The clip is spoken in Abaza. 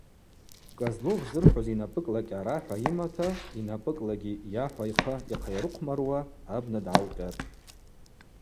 Козлов зырхӏвуз йнапӏыкӏла кӏьарахӏва йымата, йнапӏыкӏлакӏгьи йахӏва йхъа йахъайрыхъвмаруа абна дгӏалкъьатӏ.